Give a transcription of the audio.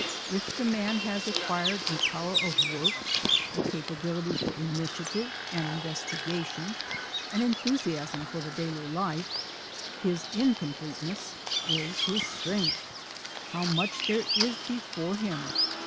If the man has acquired a power for work, a capability for initiative and investigation, an enthusiasm for the daily life, his incompleteness is his strength. How much there is before him!